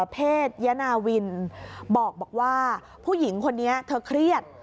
เพศยนาวินบอกว่าผู้หญิงคนนี้เธอเครียด